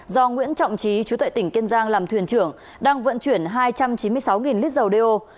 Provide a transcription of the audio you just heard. do nguyễn trọng trí chú tệ tỉnh kiên giang làm thuyền trưởng đang vận chuyển hai trăm chín mươi sáu lít dầu đeo